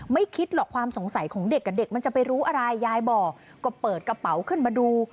ไม่คิดหรอกความสงสัยของเด็กกับเด็กมันจะไปรู้อะไรยายบอกก็เปิดกระเป๋าขึ้นมาดู